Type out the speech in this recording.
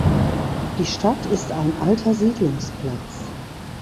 Die Stadt ist ein alter Siedlungsplatz.